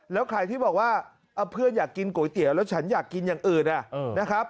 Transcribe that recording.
แล้วใครที่บอกว่าเพื่อนอยากกินก๋วยเตี๋ยวแล้วฉันอยากกินอย่างอื่นนะครับ